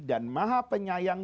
dan maha penyayang